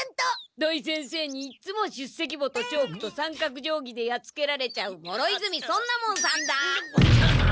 土井先生にいっつも出席簿とチョークと三角じょうぎでやっつけられちゃう諸泉尊奈門さんだ！